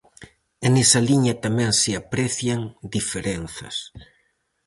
E nesa liña tamén se aprecian diferenzas.